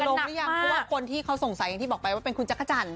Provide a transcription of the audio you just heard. เพราะว่าคนที่เขาสงสัยที่บอกมันเป็นคุณจักรจั่น